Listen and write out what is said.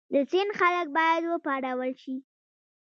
د سند خلک باید وپارول شي.